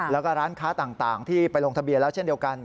แล้วก็ร้านค้าต่างที่ไปลงทะเบียนแล้วเช่นเดียวกัน